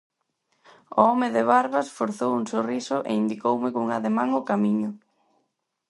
O home de barbas forzou un sorriso e indicoume cun ademán o camiño.